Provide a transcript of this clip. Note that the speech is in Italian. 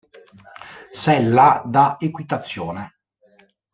Sella da equitazione